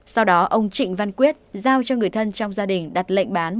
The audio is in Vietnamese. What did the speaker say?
sau đó ông trịnh văn quyết giao cho người thân trong gia đình đặt lệnh bán